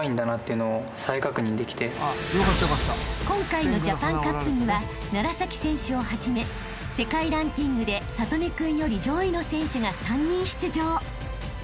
［今回のジャパンカップには楢崎選手をはじめ世界ランキングで智音君より上位の選手が３人出場］